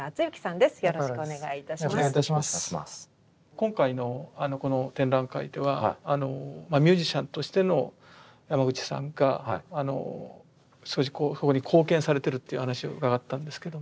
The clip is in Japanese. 今回の展覧会ではミュージシャンとしての山口さんが少しそこに貢献されてるっていう話を伺ったんですけども。